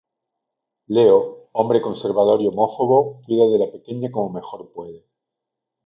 Leo, hombre conservador y homófobo, cuida de la pequeña como mejor puede.